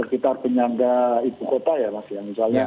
sekitar penyangga ibukota ya mas ya misalnya